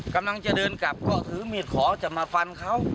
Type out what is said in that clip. กำลังจะเดินกลับก็ถือมีดขอจะมาฟันเขา